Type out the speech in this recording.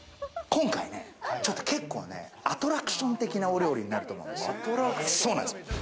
今回ねちょっと結構ね、アトラクション的なお料理になると思うんですよ。